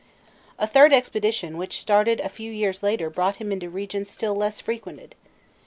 A third expedition which started out a few years later brought him into regions still less frequented.